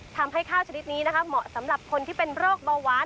ทำให้ข้าวชนิดนี้นะคะเหมาะสำหรับคนที่เป็นโรคเบาหวาน